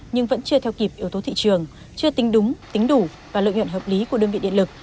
nhưng vẫn chưa theo kịp yếu tố thị trường chưa tính đúng tính đủ và lợi nhuận hợp lý của đơn vị điện lực